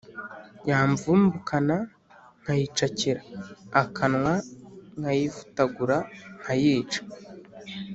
yamvumbukana nkayicakira akananwa, nkayivutagura nkayica.